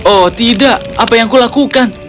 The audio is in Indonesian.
oh tidak apa yang kulakukan